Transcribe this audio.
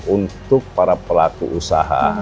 untuk para pelaku usaha